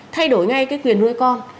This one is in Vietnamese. thay đổi ngay cái quyền nuôi con